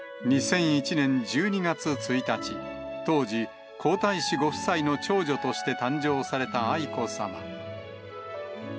２００１年１２月１日、当時、皇太子ご夫妻の長女として誕生された愛子さま。